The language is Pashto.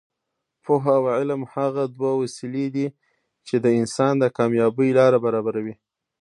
پوهه او علم هغه دوه وسلې دي چې د انسان د کامیابۍ لاره برابروي.